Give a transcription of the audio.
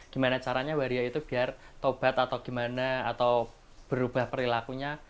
gimana caranya waria itu biar tobat atau gimana atau berubah perilakunya